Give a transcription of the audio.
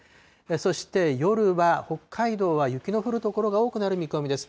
そして、夜は北海道は雪の降る所が多くなる見込みです。